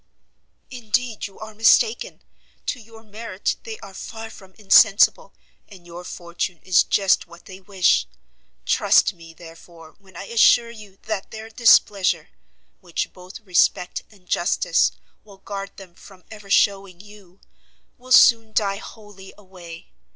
"Indeed you are mistaken; to your merit they are far from insensible, and your fortune is just what they wish. Trust me, therefore, when I assure you that their displeasure, which both respect and justice will guard them from ever shewing you, will soon die wholly away.